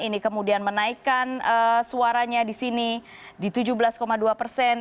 ini kemudian menaikkan suaranya di sini di tujuh belas dua persen